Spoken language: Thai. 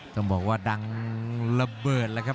จะบอกว่าดังละเบิด